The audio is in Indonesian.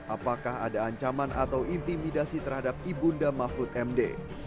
apakah ada ancaman atau intimidasi terhadap ibu nda mahfud md